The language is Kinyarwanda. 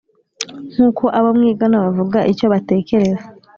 nk uko abo mwigana bavuga icyo batekereza